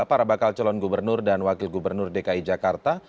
para bakal calon gubernur dan wakil gubernur dki jakarta